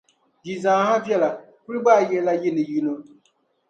Yi zaa ha viɛla, kul gbaai yihila yi ni yino.